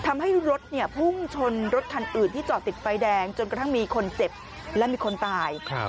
ทำให้รถพุ่งชนรถคันอื่นที่จอดติดไฟแดงจนกระทั่งมีคนเจ็บและมีคนตาย